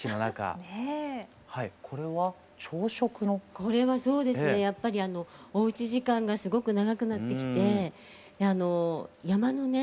これはそうですねやっぱりおうち時間がすごく長くなってきて山のね